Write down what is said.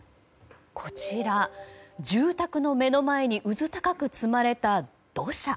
こちら、住宅の目の前にうずたかく積まれた土砂。